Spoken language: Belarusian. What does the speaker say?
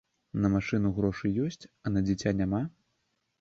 На машыну грошы ёсць, а на дзіця няма?